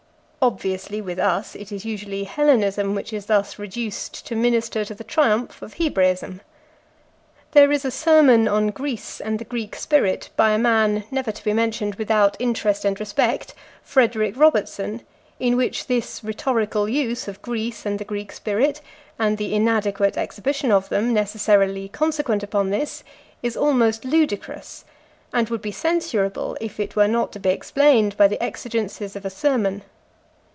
Obviously, with us, it is usually Hellenism which is thus reduced to minister to the triumph of Hebraism. There is a sermon on Greece and the Greek spirit by a man never to be mentioned without interest and respect, Frederick Robertson, in which this rhetorical use of Greece and the Greek spirit, and the inadequate exhibition of them necessarily consequent upon this, is almost ludicrous, and would be censurable if it were not to be explained by the exigences of a sermon.